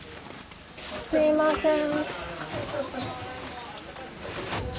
すいません。